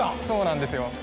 そうなんですよ。